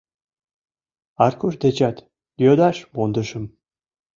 — Аркуш дечат йодаш мондышым.